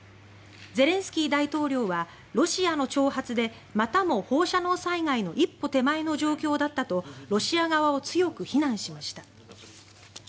ゼレンスキー大統領はロシアの挑発でまたも放射能災害の一歩手前の状況だったとロシア側を強く非難しました。